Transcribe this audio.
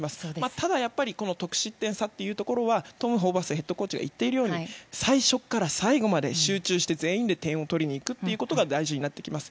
ただ、やっぱり得失点差というところはトム・ホーバスヘッドコーチが言っているように最初から最後まで集中して全員で点を取りに行くということが大事になってきます。